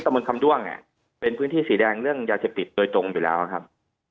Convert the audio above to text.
บนคำด้วงเป็นพื้นที่สีแดงเรื่องยาเสพติดโดยตรงอยู่แล้วครับ